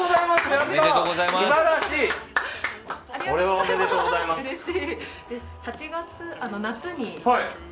おめでとうございます。